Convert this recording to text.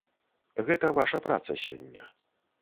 Гэта ваша праца сёння.